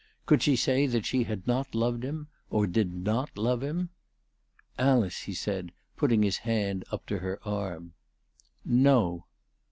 Could she, say that she had not loved him, or did not love him ?" Alice/' he said, putting his hand up to her arm. " No